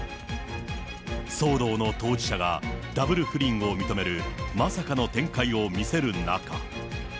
騒動の当事者がダブル不倫を認める、まさかの展開を見せる中。